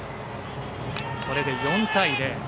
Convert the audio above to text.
これで４対０。